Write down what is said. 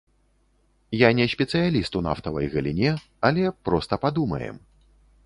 Я не спецыяліст у нафтавай галіне, але проста падумаем.